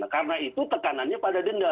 karena itu tekanannya pada denda